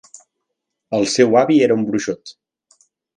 El seu avi era un bruixot.